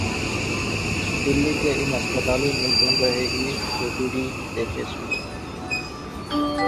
दिल्ली के इन अस्पतालों में बंद रहेगी ओपीडी, देखें सूची